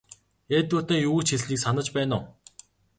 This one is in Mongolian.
Эдвардын юу гэж хэлснийг санаж байна уу?